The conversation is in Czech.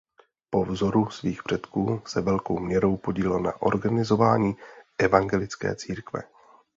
Po vzoru svých předků se velkou měrou podílel na organizování evangelické církve.